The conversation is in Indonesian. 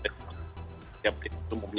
setiap tim semuanya